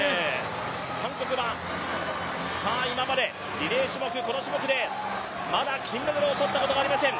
韓国は今までリレー種目、この種目でまだ金メダルを取ったことがありません。